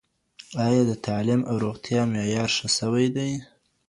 آيا د تعليم او روغتيا معيار ښه سوى دى؟